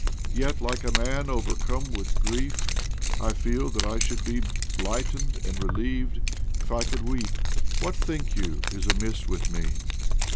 Yet, like a man overcome with grief, I feel that I should be lightened and relieved if I could weep. What, think you, is amiss with me